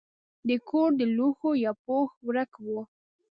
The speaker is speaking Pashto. د کور د لوښو یو پوښ ورک و.